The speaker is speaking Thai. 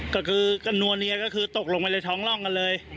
ก็คือก็นัวเนียก็คือตกลงไปในท้องร่องกันเลย